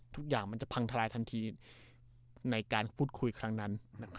ทุกอย่างมันจะพังทลายทันทีในการพูดคุยครั้งนั้น